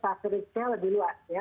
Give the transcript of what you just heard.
faktor risnya lebih luas ya